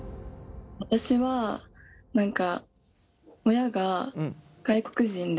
私は何か親が外国人で。